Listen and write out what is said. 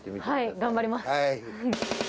はい、頑張ります。